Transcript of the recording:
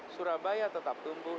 surabaya tetap tumbuh